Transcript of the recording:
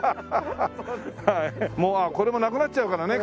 もうこれもなくなっちゃうからね